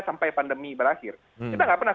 sampai pandemi berakhir kita nggak pernah